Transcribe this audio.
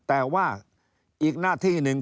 แต่ว่าอีกหน้าที่หนึ่ง